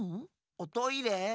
おトイレ？